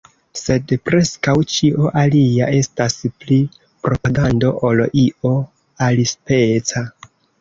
Sed preskaŭ ĉio alia estas pli propagando ol io alispeca.